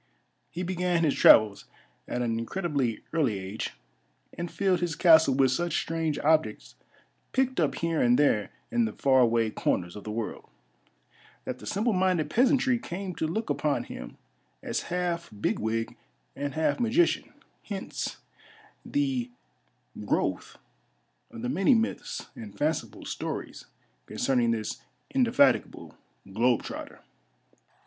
He began his travels at an incredibly early age, and filled his castle with such strange objects picked up here and there in the far away corners of the^orld, that the simple minded peasantry came to look upon him as half bigwig and half magician — hence the VI BIOGRAPHICAL NOTICE growth of the many myths and fanciful stories concerning this indefatigable ""globe trotter.